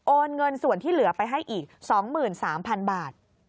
เงินส่วนที่เหลือไปให้อีก๒๓๐๐๐บาท